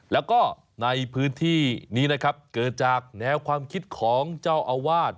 แล้วก็ในพื้นที่นี้นะครับเกิดจากแนวความคิดของเจ้าอาวาส